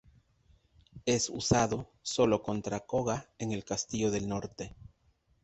Es usado sólo contra Koga en el Castillo del Norte.